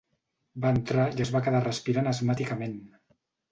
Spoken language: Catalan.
Va entrar i es va quedar respirant asmàticament.